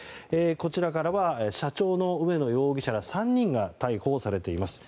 こちらからは社長の植野容疑者ら３人が逮捕されています。